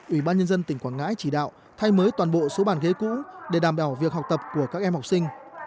ủy ban nhân dân tỉnh quảng ngãi chỉ đạo thay mới toàn bộ số bàn ghế cũ để đảm bảo việc học tập của các em học sinh